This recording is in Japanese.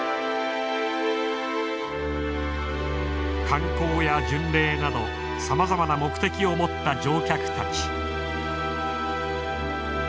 観光や巡礼などさまざまな目的を持った乗客たち。